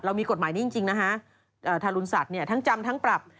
มีกฎหมายนี้จริงนะฮะทารุณสัตว์เนี่ยทั้งจำทั้งปรับ